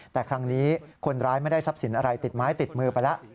แต่ครั้งนี้คนร้ายไม่ได้ทรัพย์สินอะไรติดไม้ติดมือไปแล้ว